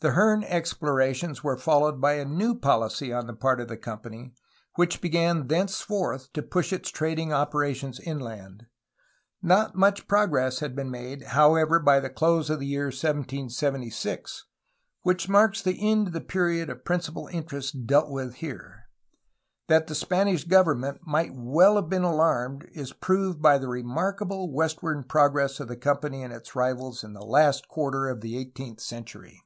The Hearne explorations were followed by a new policy on the part of the company, which began thenceforth to push its trading operations inland. Not much progress had been made, however, by the close of the year 1776, which marks the end of the period of princi pal interest dealt with here. That the Spanish government might well have been alarmed is proved by the remarkable westward progress of the company and its rivals in the last quarter of the eighteenth century.